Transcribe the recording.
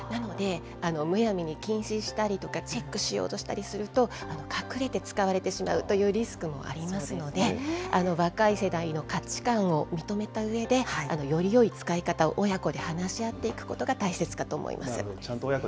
なので、むやみに禁止したりとか、チェックしようとしたりすると、隠れて使われてしまうというリスクもありますので、若い世代の価値観を認めたうえで、よりよい使い方を親子で話し合っていくことが大切かと思います。